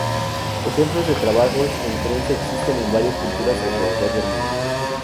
Ejemplos de trabajos en trenza existen en varias culturas alrededor del mundo.